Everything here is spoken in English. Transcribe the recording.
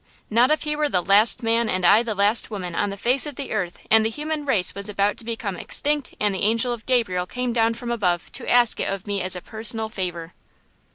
not if he were the last man and I the last woman on the face of the earth and the human race was about to become extinct and the angel of Gabriel came down from above to ask it of me as a personal favor."